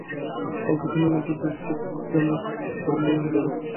অল্প দিনের মধ্যেই বেশ কিছু হিট গানও যোগ হবে তাঁর অর্জনের ঝুলিতে।